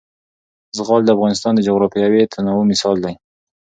زغال د افغانستان د جغرافیوي تنوع مثال دی.